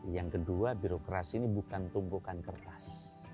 yang kedua birokrasi ini bukan tumpukan kertas